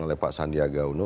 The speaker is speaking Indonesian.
oleh pak sandiaga uno